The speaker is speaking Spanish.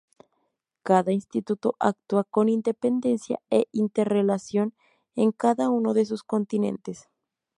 Cada Instituto actúa con independencia e inter-relación en cada uno de sus continentes.